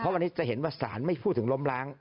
วันนี้จะเห็นว่าสารไม่พูดถึงล้มล้าง